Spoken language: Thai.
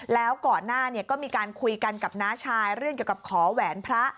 แล้วก่อนหน้าก็มีการคุยกันกับน้าชายเรื่องเกี่ยวกับขอแหวนพระ